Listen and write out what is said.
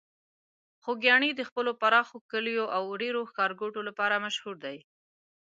خوږیاڼي د خپلو پراخو کليو او ډیرو ښارګوټو لپاره مشهور ده.